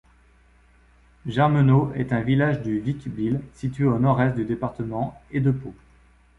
Germenaud est un village du Vic-Bilh, situé au nord-est du département et de Pau.